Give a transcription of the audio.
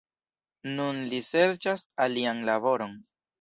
Nun li serĉas alian laboron.